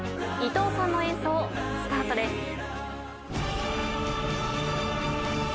伊藤さんの演奏スタートです。